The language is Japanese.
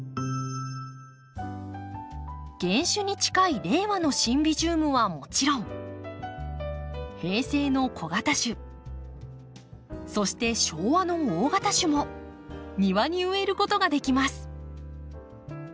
原種に近い令和のシンビジウムはもちろん平成の小型種そして昭和の大型種も庭に植えることができます。